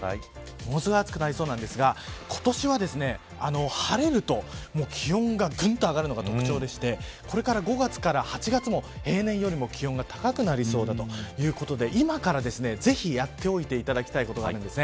ものすごく暑くなりそうなんですが今年は晴れると気温がぐんと上がるのが特徴でしてこれから５月から８月も平年よりも気温が高くなりそうだということで今から、ぜひやっておいていただきたいことがあります。